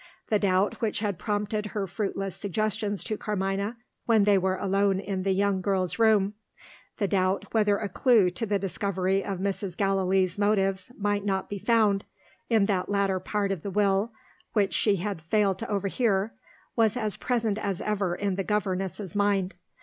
The doubt which had prompted her fruitless suggestions to Carmina, when they were alone in the young girl's room the doubt whether a clue to the discovery of Mrs. Gallilee's motives might not be found, in that latter part of the Will which she had failed to overhear was as present as ever in the governess's mind.